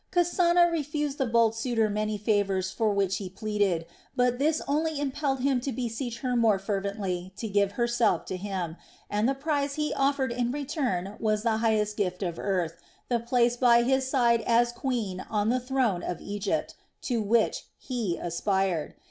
Kasana refused the bold suitor many favors for which he pleaded, but this only impelled him to beseech her more fervently to give herself to him, and the prize he offered in return was the highest gift of earth, the place by his side as queen on the throne of Egypt, to which he aspired.